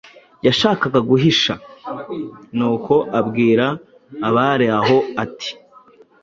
yashakaga guhisha. Nuko abwira abari aho ati: “